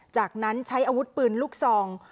จากนั้นใช้อาวุธปืนลูกซอง